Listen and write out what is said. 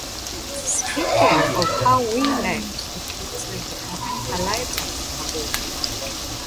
Speaking of how we met, it feels like it happened a lifetime ago.